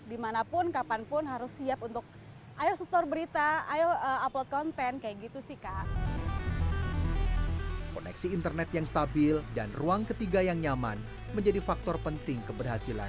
dan tujuan untuk mengeluarkan dari diku non gros java ini adalah hubungannya kerja